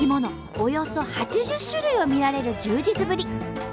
およそ８０種類を見られる充実ぶり。